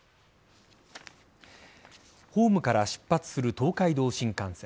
ホームから出発する東海道新幹線。